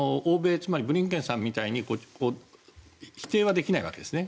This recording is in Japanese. つまりブリンケンさんみたいに否定はできないわけですね。